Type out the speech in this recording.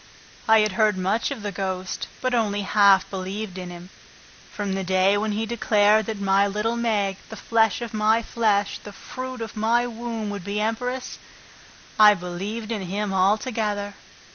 I had heard much of the ghost, but only half believed in him. From the day when he declared that my little Meg, the flesh of my flesh, the fruit of my womb, would be empress, I believed in him altogether."